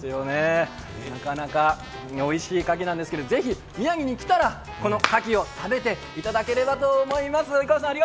なかなかおいしいかきなんですが、ぜひ宮城に来たらこのかきを食べていただければと思います。